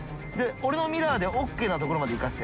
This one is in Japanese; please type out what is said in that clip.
俺のミラーでＯＫなところまで行かせて。